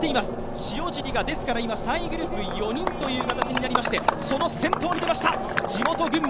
塩尻が３位グループ４人という形になりまして、その先頭に出ました、地元・群馬。